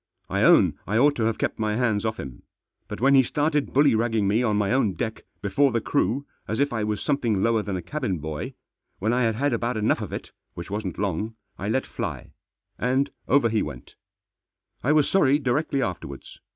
I own I ought to have kept my hands off him. But when he started bullyragging me on my own deck, before the crew, as if I was something lower than a cabin boy, when I had had about enough of it, which wasn't long, I let fly, and over he went I was sorry directly afterwards.